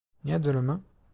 Ne durumu?